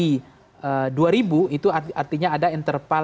ketika kita lihat di dua ribu itu artinya ada interval empat ratus